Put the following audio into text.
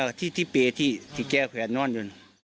อ่าที่ที่เปที่แก้แขวนนอนยัง